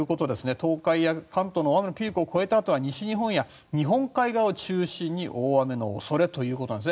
東海や関東がピークを越えたあとは西日本や日本海側を中心に大雨の恐れということです。